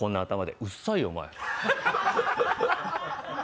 うっさいよ、お前。